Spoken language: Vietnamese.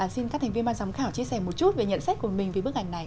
xin các thành viên ban giám khảo chia sẻ một chút về nhận sách của mình về bức ảnh này